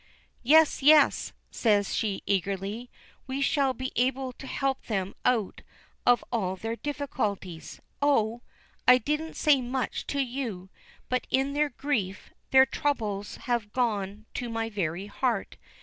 "Yes, yes," says she, eagerly. "We shall be able to help them out of all their difficulties. Oh! I didn't say much to you, but in their grief, their troubles have gone to my very heart.